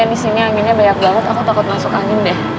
disini anginnya banyak banget aku takut masuk angin deh